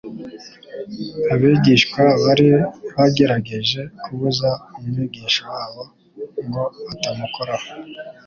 Abigishwa bari bagerageje kubuza Umwigisha wabo ngo atamukoraho;